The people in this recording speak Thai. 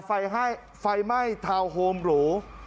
ไฟให้ไฟไหม้ทาวน์โฮมหรู